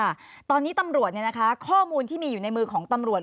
ค่ะตอนนี้ตำรวจเนี่ยนะคะข้อมูลที่มีอยู่ในมือของตำรวจ